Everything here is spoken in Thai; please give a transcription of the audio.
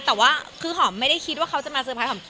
แต่ว่าคือหอมไม่ได้คิดว่าเขาจะมาเตอร์ไพรสหอม